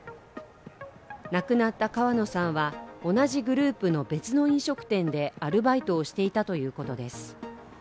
亡くなった川野さんは同じグループの別の飲食店でアルバイトをしていたということです。